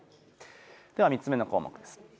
では３つ目の項目です。